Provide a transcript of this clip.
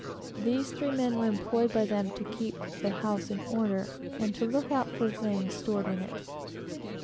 These three men were employed by them to keep the house in order, and to look out for the things stored in it.